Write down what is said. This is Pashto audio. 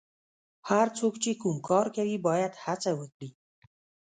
هر څوک چې کوم کار کوي باید هڅه وکړي.